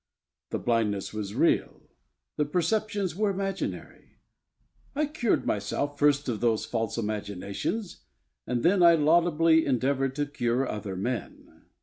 The blindness was real; the perceptions were imaginary. I cured myself first of those false imaginations, and then I laudably endeavoured to cure other men.